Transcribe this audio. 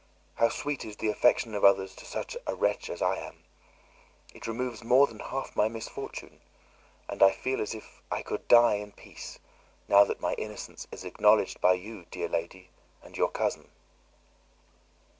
How sweet is the affection of others to such a wretch as I am! It removes more than half my misfortune, and I feel as if I could die in peace now that my innocence is acknowledged by you, dear lady, and your cousin."